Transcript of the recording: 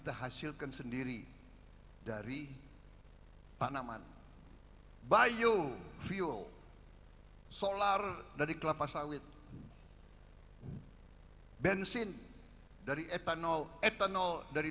menghasilkan sendiri dari tanaman bio fuel solar dari kelapa sawit bensin dari etanol etanol dari